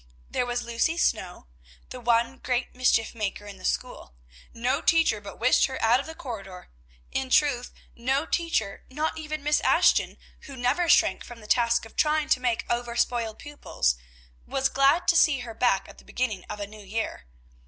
There was Lucy Snow, the one great mischief maker in the school. No teacher but wished her out of her corridor; in truth, no teacher, not even Miss Ashton, who never shrank from the task of trying to make over spoiled pupils, was glad to see her back at the beginning of a new year.